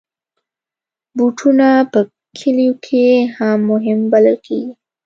بوټونه په کلیو کې هم مهم بلل کېږي.